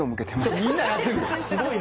それみんなやってる！